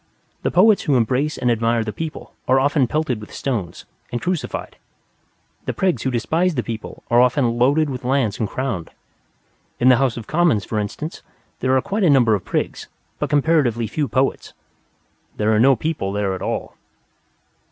The Poets who embrace and admire the people are often pelted with stones and crucified. The Prigs who despise the people are often loaded with lands and crowned. In the House of Commons, for instance, there are quite a number of prigs, but comparatively few poets. There are no People there at all.